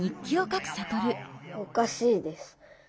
おかしいです。